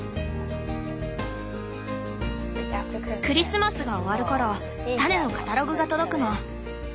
クリスマスが終わる頃種のカタログが届くの。